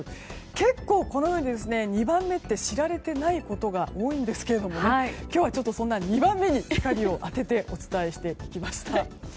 結構、このように２番目って知られてないことが多いんですけども今日は、そんな２番目に光を当ててお伝えしました。